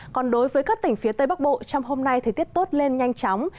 còn đối với các tỉnh phía tây bắc bộ trong hôm nay thời tiết tốt lên nhanh chóng